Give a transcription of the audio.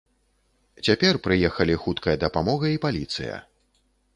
Цяпер прыехалі хуткая дапамога і паліцыя.